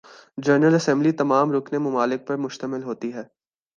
general assembly تمام رکن ممالک پر مشتمل ہوتی ہے